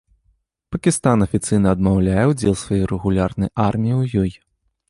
Пакістан афіцыйна адмаўляе ўдзел сваёй рэгулярнай арміі ў ёй.